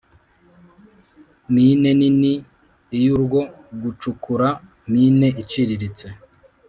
Mine nini iy urwo gucukura mine iciriritse